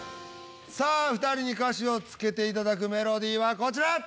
さあ２人に歌詞をつけていただくメロディーはこちら。